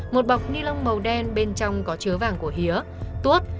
một bọc ni lông màu đen bên trong có chứa vàng của hía tuốt